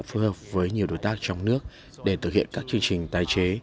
các doanh nghiệp đã phối hợp với nhiều đối tác trong nước để thực hiện các chương trình tái chế